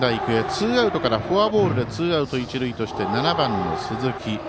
ツーアウトからフォアボールでツーアウト、一塁として７番の鈴木。